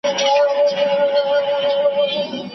یو معلم کلي ته نوی وو راغلی